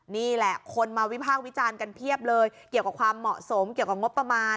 นี่แหละคนมาวิพากษ์วิจารณ์กันเพียบเลยเกี่ยวกับความเหมาะสมเกี่ยวกับงบประมาณ